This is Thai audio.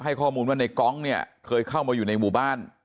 ข้อมูลว่าในกองเนี่ยเคยเข้ามาอยู่ในหมู่บ้าน